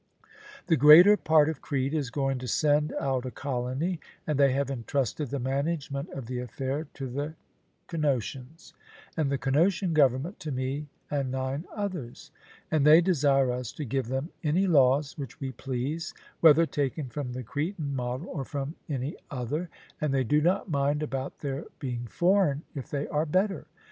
The greater part of Crete is going to send out a colony, and they have entrusted the management of the affair to the Cnosians; and the Cnosian government to me and nine others. And they desire us to give them any laws which we please, whether taken from the Cretan model or from any other; and they do not mind about their being foreign if they are better.